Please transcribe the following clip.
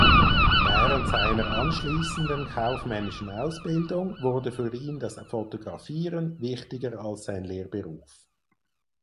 Während seiner anschließenden kaufmännischen Ausbildung wurde für ihn das Fotografieren wichtiger als sein Lehrberuf.